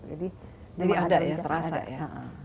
jadi ada ya terasa ya